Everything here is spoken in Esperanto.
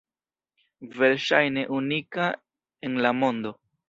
Verŝajne unika en la mondo!